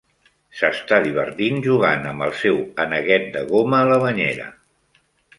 S'està divertint jugant amb el seu aneguet de goma a la banyera